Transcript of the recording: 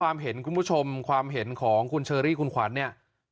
ความเห็นคุณผู้ชมความเห็นของคุณเชอรี่คุณขวัญเนี่ย